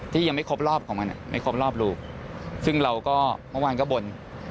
ยังไม่ครบรอบของมันไม่ครบรอบรูปซึ่งเราก็เมื่อวานก็บ่น